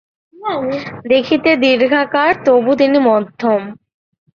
দেখিতে দীর্ঘাকার, তবু তিনি মাধ্যম।